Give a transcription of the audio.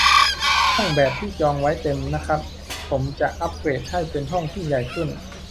ห้องแบบที่จองไว้เต็มนะครับ ผมจะอัปเกรดให้เป็นห้องที่ใหญ่ขึ้น